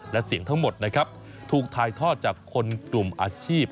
และเสียงทั้งหมดนะครับถูกถ่ายทอดจากคนกลุ่มอาชีพ